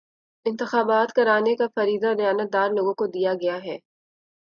انتخابات کرانے کا فریضہ دیانتدار لوگوں کو دیا گیا ہے